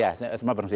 iya semua berfungsi